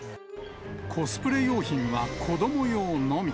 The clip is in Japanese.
コスプレ用品は子ども用のみ。